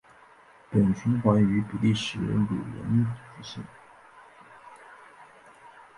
本循环于比利时鲁汶举行。